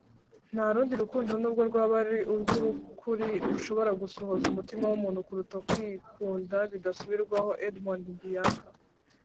nta rundi rukundo nubwo rwaba ari urw'ukuri, rushobora gusohoza umutima w'umuntu kuruta kwikunda bidasubirwaho - edmond mbiaka